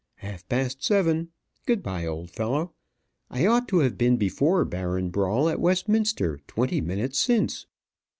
Half past seven. Good bye, old fellow. I ought to have been before Baron Brawl at Westminster twenty minutes since."